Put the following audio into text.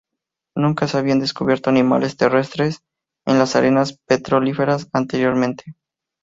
Nunca se habían descubierto animales terrestres en las arenas petrolíferas anteriormente.